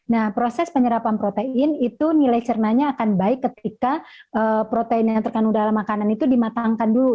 nah proses penyerapan protein itu nilai cernanya akan baik ketika protein yang terkandung dalam makanan itu dimatangkan dulu